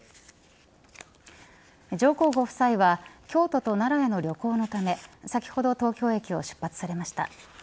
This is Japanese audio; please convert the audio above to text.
上皇ご夫妻は京都と奈良への旅行のため先ほど東京駅を出発されました。